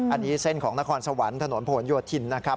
อันนี้เส้นของนครสวรรค์ถนนผลโยธินนะครับ